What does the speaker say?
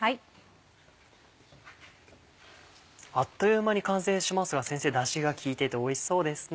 あっという間に完成しますが先生だしがきいてておいしそうですね。